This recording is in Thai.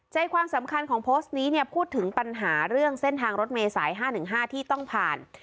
ใจความสำคัญของโพสต์นี้เนี่ยพูดถึงปัญหาเรื่องเส้นทางรถเมษาย๕๑๕ที่ต้องผ่าน